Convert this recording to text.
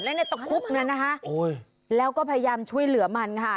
และก็พยายามช่วยเหลือมันนะคะ